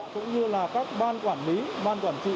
cũng như là các ban quản lý ban quản trị